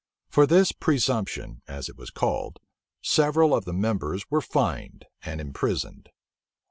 For this presumption, as it was called, several of the members were fined and imprisoned.